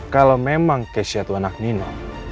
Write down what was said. kalau memang keisha itu anak nina